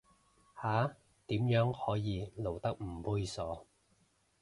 下，點樣可以露得唔猥褻